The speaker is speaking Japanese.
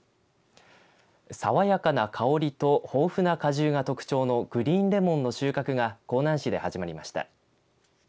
爽やかな香りと豊富な果汁が特徴のグリーンレモンの収穫が香南市で始まりました。